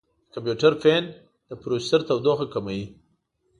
د کمپیوټر فین د پروسیسر تودوخه کموي.